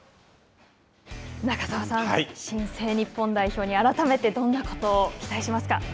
中澤さん、新生日本代表に改めてどんなことを期待しますか。